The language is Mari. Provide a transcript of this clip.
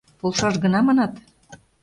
— Полшаш гына, манат?